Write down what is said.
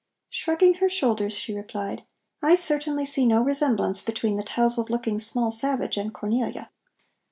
Shrugging her shoulders, she replied: "I certainly see no resemblance between the tousled looking small savage and Cornelia.